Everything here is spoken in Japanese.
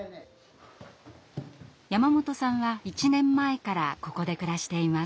山本さんは１年前からここで暮らしています。